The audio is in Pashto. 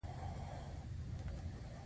د اضافي ارزښت بیه د استثمار بیه هم بلل کېږي